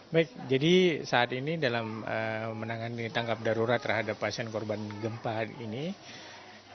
baik jadi saat ini dalam menangani tangkap darurat terhadap pasien korban gempa ini dari pihak rumah sakit sigli kita saat ini memang membuka